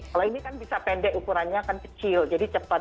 kalau ini kan bisa pendek ukurannya akan kecil jadi cepat